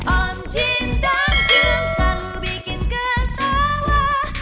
om jin dan jun selalu bikin ketawa